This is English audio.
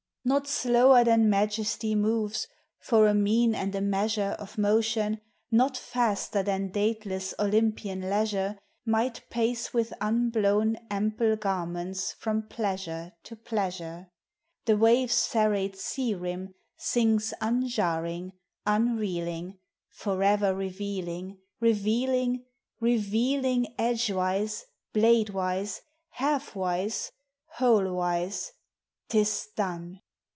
Not slower than Majesty moves, for a mean and a measure Of motion, not faster than dateless Olympian leisure Might pace with unblown ample garments from pleasure to pleasure; The wave serrate sea rim sinks unjarring, unreel ing, Forever revealing, revealing, revealing, TREES: FLOWERS: PLANTS. 2C3 Edgewise, bladewise, half wise, wholewise — '1 is done!